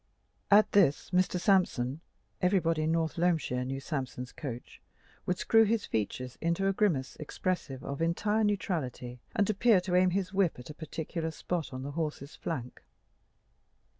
At this Mr. Sampson (everybody in North Loamshire knew Sampson's coach) would screw his features into a grimace expressive of entire neutrality, and appear to aim his whip at a particular spot on the horse's flank.